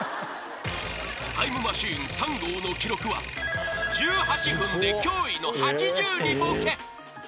［タイムマシーン３号の記録は１８分で驚異の８２ボケ］